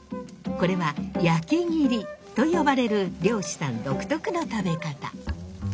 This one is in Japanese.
これは焼き切りと呼ばれる漁師さん独特の食べ方。